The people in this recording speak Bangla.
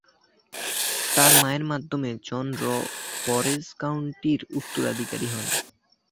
তার মায়ের মাধ্যমে জন ফরেজ কাউন্টির উত্তরাধিকারী হন।